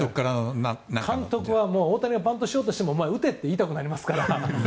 監督は大谷はバントしようとしても打てと言いたくなりますから。